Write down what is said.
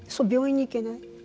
病院に行けない。